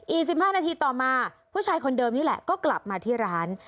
อีก๑๕นาทีต่อมาผู้ชายคนเดิมนี่แหละก็กลับมาที่ร้าน